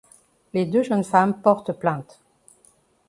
Les deux jeunes femmes portent plainte.